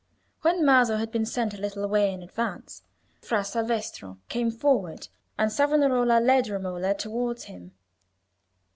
When Maso had been sent a little way in advance, Fra Salvestro came forward, and Savonarola led Romola towards him.